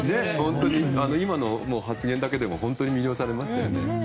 今の発言だけでも本当に魅了されましたよね。